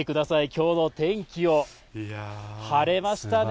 きょうの天気を。晴れましたね。